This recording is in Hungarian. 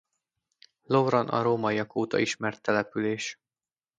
Lovran a rómaiak óta ismert település.